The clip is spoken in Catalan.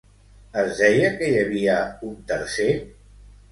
Es deia que hi havia un tercer?